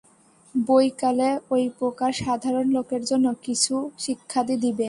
বৈকালে ঐ প্রকার সাধারণ লোকের জন্য কিছু শিক্ষাদি দিবে।